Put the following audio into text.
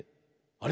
あれ？